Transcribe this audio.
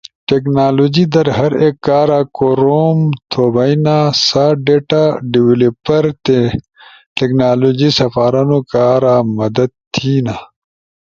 ٹیکنالوجی در ہر ایک کارا کوروم تھو بھئینا، سا ڈیتا ڈویلپر تی ٹیکنالوجی سپارونو کارا مدد تھینا،